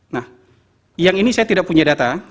nah yang ini saya tidak punya data